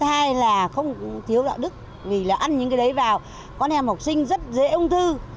thứ hai là không thiếu đạo đức vì là ăn những cái đấy vào con em học sinh rất dễ ung thư